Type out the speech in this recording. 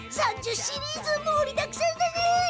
３０シリーズもりだくさんだね！